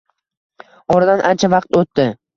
Oradan ancha vaqt o`tdi